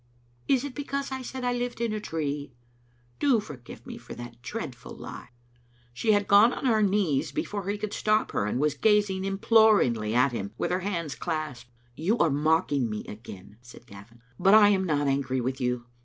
Is it because I said I lived in a tree? Do forgive me for that dreadful lie." She had gone on her knees before he could stop her, and was gazing imploringly at him, with her hands clasped. "You are mocking me again," said Gavin, "but I am not angry with you.